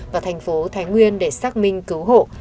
và tp thánh nguyên để xác minh cứu hộ